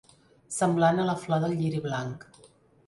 Semblant a la flor del lliri blanc.